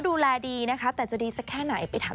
ดูแลดีค่ะดูแลดีค่ะก็วิ่งนำไปเลย